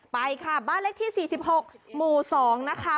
ไปค่ะบ้านเลขที่๔๖หมู่๒นะคะ